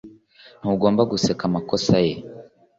Ntugomba guseka amakosa ye.